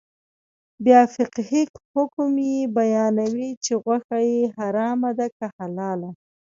بیا فقهي حکم یې بیانوي چې غوښه یې حرامه ده که حلاله.